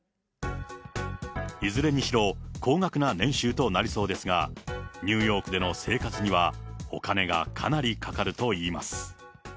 いずれにしろ、高額な年収となりそうですが、ニューヨークでの生活には、お金がかなりかかるといいます。